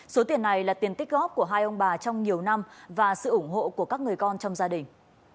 số tiền này là tiền tích góp của hai ông bà trong nhiều năm và sự ủng hộ của các người con trong gia đình